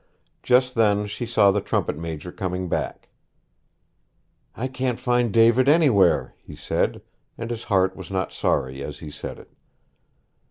Just then she saw the trumpet major coming back. 'I can't find David anywhere,' he said; and his heart was not sorry as he said it.